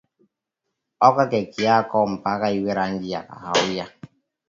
oka keki yako mpaka iwe rangi ya kahawia